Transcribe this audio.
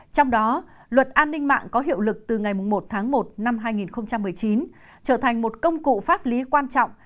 trong đó luật an ninh mạng có hiệu lực từ ngày một tháng một năm hai nghìn một mươi chín trở thành một công cụ pháp lý quan trọng